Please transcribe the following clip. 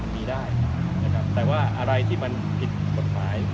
มีได้นะครับแต่ว่าอะไรที่มันผิดกฎหมาย